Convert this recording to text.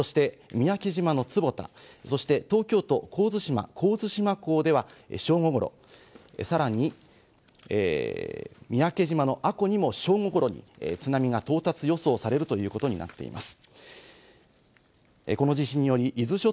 そして三宅島の坪田、そして東京都神津島・神津島港では、正午ごろ、さらに三宅島阿古にも正午ごろに津波が到達予想されるということになっています。